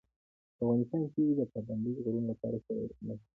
په افغانستان کې د پابندي غرونو لپاره شرایط مناسب دي.